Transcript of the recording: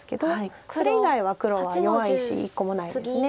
それ以外は黒は弱い石一個もないです。